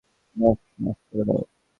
বাবা, মাফ করে দাও।